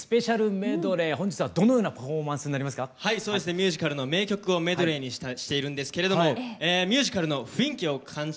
ミュージカルの名曲をメドレーにしているんですけれどもミュージカルの雰囲気を感じて頂きたく